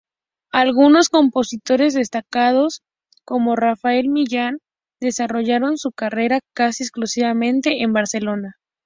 Algunos compositores destacados, como Rafael Millán, desarrollaron su carrera casi exclusivamente en Barcelona.